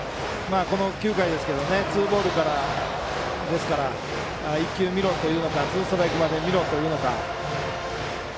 ９回ですけどもツーボールからなので１球見ろというのかツーストライクまで見ろというのか。